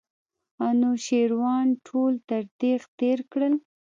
انوشیروان ټول تر تېغ تېر کړل.